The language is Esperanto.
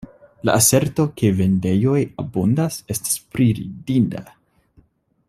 La aserto, ke vendejoj abundas, estas priridinda.